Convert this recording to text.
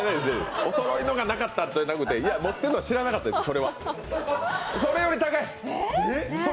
おそろいのがなかったんじゃなくて、持ってんの知らなかったです、それは。それより高い。